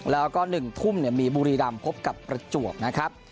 แล้วก็๑ทุ่มมีบุรีรำพบกับประจวบนะครับ